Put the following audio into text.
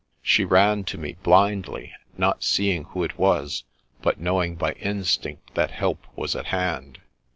She ran to me, blindly, not seeing who it was, but knowing by instinct that help was at hand.